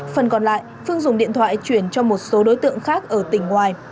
phần còn lại phương dùng điện thoại chuyển cho một số đối tượng khác ở tỉnh ngoài